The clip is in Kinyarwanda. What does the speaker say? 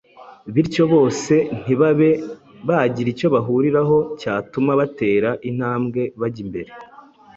Bityo bose ntibabe bagira icyo bahuriraho cyatuma batera intambwe bajya imbere